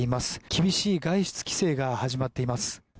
厳しい外出規制が始まっています。